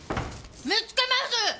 見つけます！